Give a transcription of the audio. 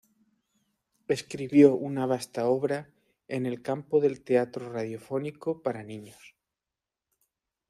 Escribió una vasta obra en el campo del teatro radiofónico para niños.